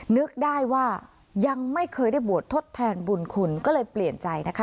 นึกได้ว่ายังไม่เคยได้บวชทดแทนบุญคุณก็เลยเปลี่ยนใจนะคะ